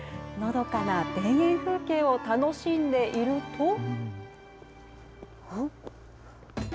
のどかな田園風景を楽しんでいると。